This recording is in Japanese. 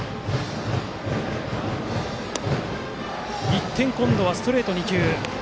一転、今度はストレート２球。